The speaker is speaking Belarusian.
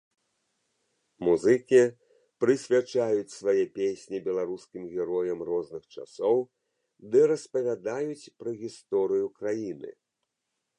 Музыкі прысвячаюць свае песні беларускім героям розных часоў ды распавядаюць пра гісторыю краіны.